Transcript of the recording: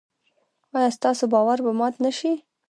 ایا ستاسو باور به مات نشي؟